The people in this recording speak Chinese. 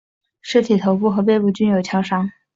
尸体头部和背部均有枪伤。